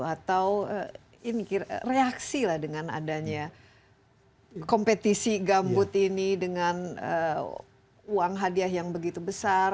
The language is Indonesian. atau reaksi lah dengan adanya kompetisi gambut ini dengan uang hadiah yang begitu besar